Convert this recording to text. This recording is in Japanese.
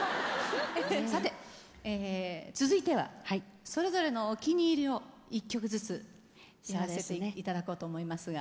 さて続いてはそれぞれのお気に入りを１曲ずつやらせていただこうと思いますが。